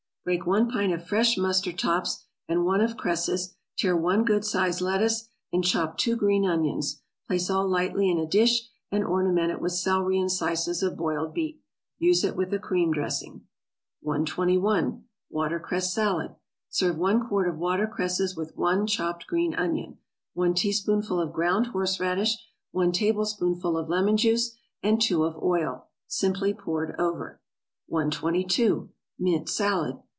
= Break one pint of fresh mustard tops, and one of cresses, tear one good sized lettuce, and chop two green onions; place all lightly in a dish, and ornament it with celery and slices of boiled beet. Use it with a cream dressing. 121. =Watercress Salad.= Serve one quart of watercresses with one chopped green onion, one teaspoonful of ground horseradish, one tablespoonful of lemon juice, and two of oil, simply poured over. 122. =Mint Salad.